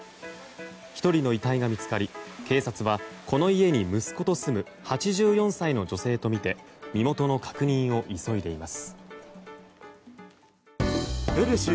１人の遺体が見つかり警察は、この家に息子と住む８４歳の女性とみて身元の確認を急いでいます。